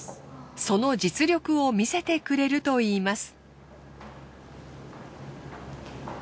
その実力を見せてくれるといいます。